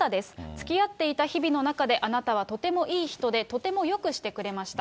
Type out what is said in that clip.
つきあっていた日々の中であなたはとてもいい人で、とてもよくしてくれました。